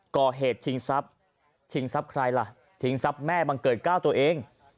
ก่อเหตุทิ้งซับทิ้งซับใครทิ้งซับแม่บังเกิดก้าวตัวเอง